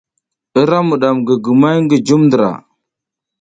Ira miɗam gigimay ngi jum ndra.